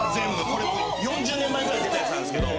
これ４０年ぐらい前に出たやつなんですけど。